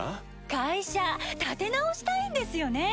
会社立て直したいんですよねぇ？